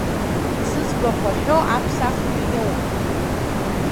Зыӡбахә аҳәо аԥсахҩы иоуп.